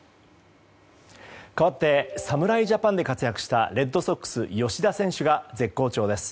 かわって侍ジャパンで活躍したレッドソックス、吉田選手が絶好調です。